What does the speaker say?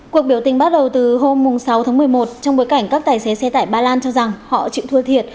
cuộc biểu tình bắt đầu từ hôm sáu tháng một mươi một trong bối cảnh các tài xế xe tải ba lan cho rằng họ chịu thua thiệt